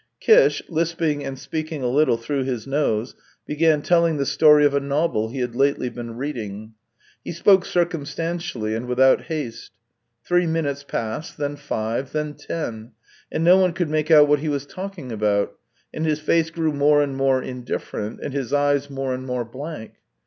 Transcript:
Kish, lisping and speaking a little through his nose, began telling the story of a novel he had lately been reading. He spoke circumstantially and without haste. Three minutes passed, then five, then ten, and no one could make out what he was talking about, and his face grew more and more indifferent, and his eyes more and more blank.